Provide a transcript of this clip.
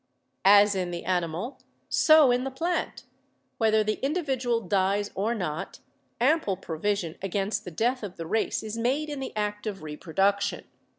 As in the animal so in the plant, whether the individual dies or not, ample provision against the death of the race is made in the act of reproduction.